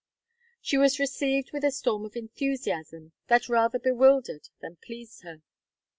She was received with a storm of enthusiasm, that rather bewildered than pleased her.